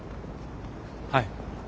はい。